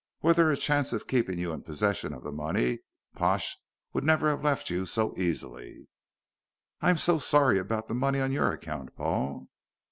Were there a chance of keeping you in possession of the money, Pash would never have left you so easily." "I am so sorry about the money on your account, Paul."